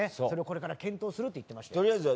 それをこれから検討するって言ってましたよ。